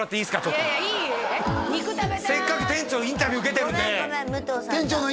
急にせっかく店長インタビュー受けてるんでごめん